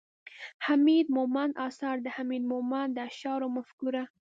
،حميد مومند اثار، د حميد مومند د اشعارو مفکوره